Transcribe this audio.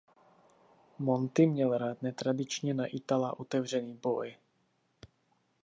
Monti měl rád netradičně na Itala otevřený boj.